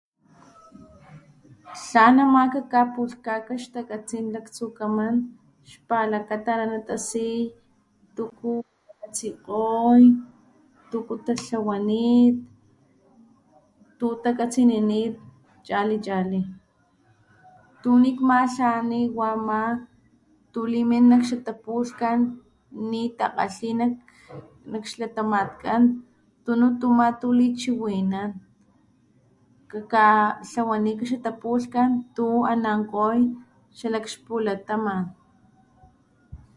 Tlan ama kakapulhkanika xtakatsin laktsukaman xpalakata ana tasi tuku katsikgoy tuku tatlawanit tutakatsininit chali chali tu nikmatlani wa ama tulimin nak xatapulhkan nitakgalhi nak xlatamatkan tunu tu ama tulichiwinanan kakatlawanika xatapulhkan tu anankgoy xalakxpulataman